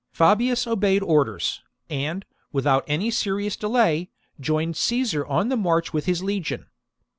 Fabius obeyed orders, and, without any serious delay, joined Caesar on the march with his legion.